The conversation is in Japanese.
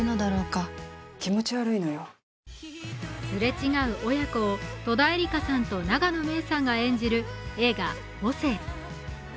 すれ違う親子を、戸田恵梨香さんと永野芽郁さんが演じる映画「母性」。